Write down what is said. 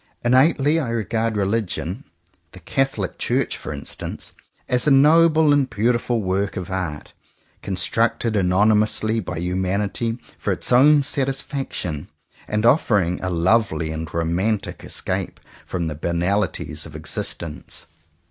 Innately I regard religion — the Catholic Church for instance — as a noble and beautiful work of art, constructed anonymously by humanity for its own satisfaction, and offering a lovely and romantic escape from the banali ties of existence.